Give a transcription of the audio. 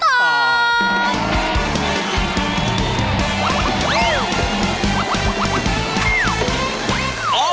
อ๋อประจอด